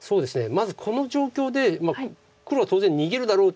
まずこの状況で黒は当然逃げるだろう